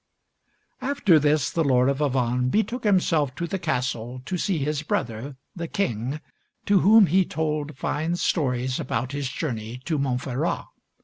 After this the Lord of Avannes betook himself to the castle to see his brother, the King, to whom he told fine stories about his journey to Montferrat.